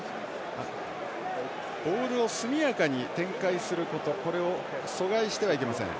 ボールを速やかに展開することこれを阻害してはいけません。